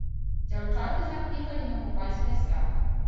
Дзяўчаты заклікалі на купальскае свята.